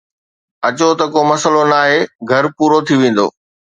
اچو ته ڪو مسئلو ناهي، گهر پورو ٿي ويندو